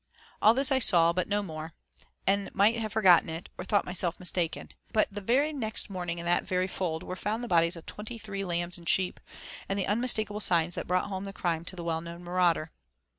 All this I saw, but no more, and might have forgotten it, or thought myself mistaken, but the next morning, in that very fold, were found the bodies of twenty three lambs and sheep, and the unmistakable signs that brought home the crime to the well known marauder.